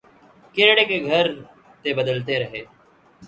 Kiray K Ghar Thay Badalty Rahay